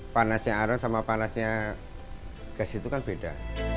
panasnya arom sama panasnya gas itu kan beda